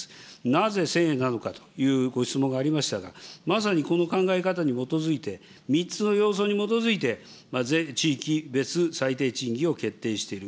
なぜ１０００円なのかというご質問がありましたが、まさにこの考え方に基づいて、３つの要素に基づいて、全地域別最低賃金を決定している。